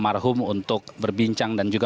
marhum untuk berbincang dan juga